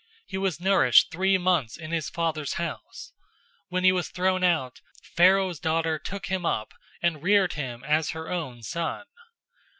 He was nourished three months in his father's house. 007:021 When he was thrown out, Pharaoh's daughter took him up, and reared him as her own son.